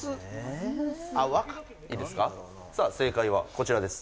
さあ正解はこちらです